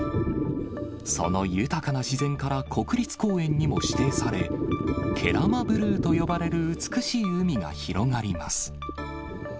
その豊かな自然から国立公園にも指定され、慶良間ブルーと呼ばれる美しい海が広がります。